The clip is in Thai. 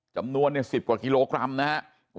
จำนวนเนี่ย๑๐กว่ากิโลกรัมนะฮะ